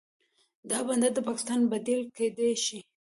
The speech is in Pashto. دا بندر د پاکستان بدیل کیدی شي.